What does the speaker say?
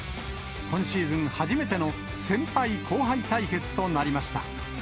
今シーズン初めての先輩後輩対決となりました。